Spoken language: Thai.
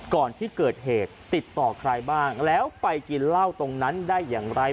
ก่อนที่เกิดเหตุติดต่อใครบ้างแล้วไปกินเหล้าตรงนั้นได้อย่างไร